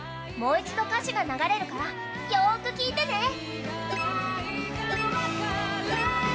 もう一度、歌詞が流れるからよく聴いてね。